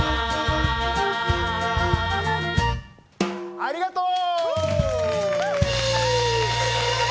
ありがとう！